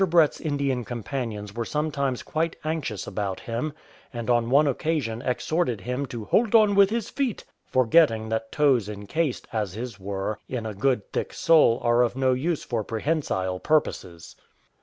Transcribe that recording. Brett's Indian companions were sometimes quite anxious about him, and on one occasion exhorted him to " hold on with his feet,'' for getting that toes encased, as his were, in a good thick sole are of no use for prehensile purposes.